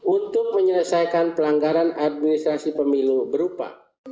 untuk menyelesaikan pelanggaran administrasi pemilu berupa